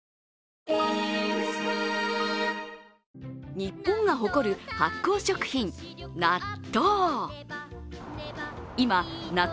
日本が誇る発酵食品、納豆。